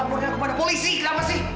lepaskan aku pada polisi kenapa sih